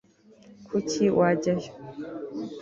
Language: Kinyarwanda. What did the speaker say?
kuki wajyayo